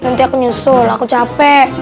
nanti aku nyusul aku capek